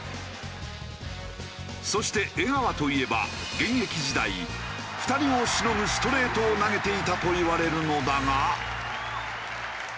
そして江川といえば現役時代２人をしのぐストレートを投げていたといわれるのだが。